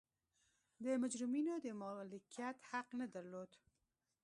مجرمینو د مالکیت حق نه درلود.